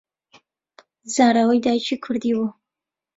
زاراوەی دایکی کوردی بووە